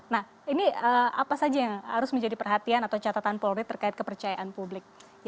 nah ini apa saja yang harus menjadi perhatian atau catatan polri terkait kepercayaan publik